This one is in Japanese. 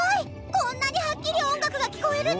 こんなにはっきり音楽が聞こえるの？